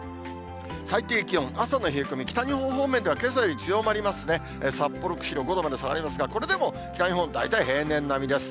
最低気温、朝の冷え込み、北日本方面ではけさより強まりますね、札幌、釧路、５度まで下がりますが、これでも北日本、大体平年並みです。